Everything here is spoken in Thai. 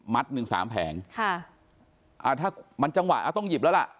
หนึ่งสามแผงค่ะอ่าถ้ามันจังหวะเอาต้องหยิบแล้วล่ะ